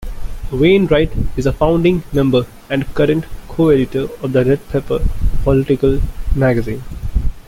Wainwright is a founding member and current co-editor of the "Red Pepper" political magazine.